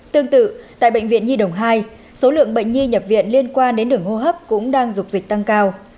tương tự tại bệnh viện nhi đồng hai số lượng bệnh nhi nhập viện liên quan đến đường hô hấp cũng đang dục dịch tăng cao